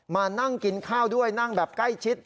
มานั่งกินข้าวด้วยนั่งแบบใกล้ชิด